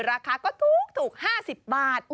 ราคาก็ถูก๕๐บาท